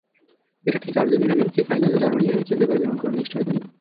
এটা ঠিক, আর্জেন্টিনার বিপক্ষে ফাইনালেও জার্মানি এভাবে খেলতে পারবে এমন কোনো নিশ্চয়তা নেই।